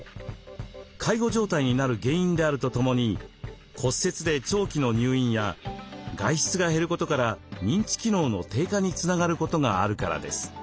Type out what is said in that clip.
介護状態になる原因であるとともに骨折で長期の入院や外出が減ることから認知機能の低下につながることがあるからです。